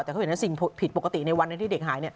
แต่เขาเห็นสิ่งผิดปกติในวันนั้นที่เด็กหาย